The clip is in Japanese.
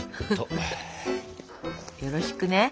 よろしくね。